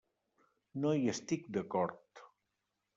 No hi estic d'acord.